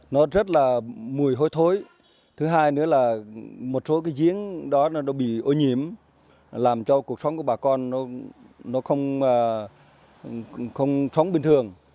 nó rất là mùi hôi thối thứ hai nữa là một số cái giếng đó nó bị ô nhiễm làm cho cuộc sống của bà con nó không sống bình thường